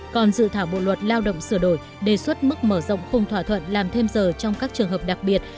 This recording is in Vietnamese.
còn dự thảo bộ luật lao động sửa đổi đề xuất mức mở rộng khung thỏa thuận làm thêm giờ trong các trường hợp đặc biệt